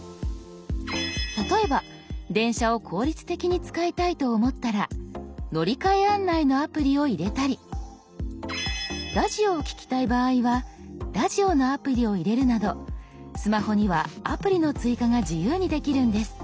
例えば電車を効率的に使いたいと思ったら乗換案内のアプリを入れたりラジオを聞きたい場合はラジオのアプリを入れるなどスマホにはアプリの追加が自由にできるんです。